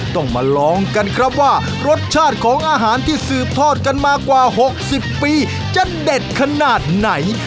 ต้องมาลองกันครับว่ารสชาติของอาหารที่สืบทอดกันมากว่า๖๐ปีจะเด็ดขนาดไหน